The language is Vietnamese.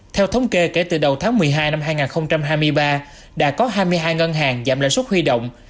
theo thống kê kể từ đầu tháng một mươi hai năm hai nghìn hai mươi ba đã có hai mươi hai ngân hàng giảm lãi suất huy động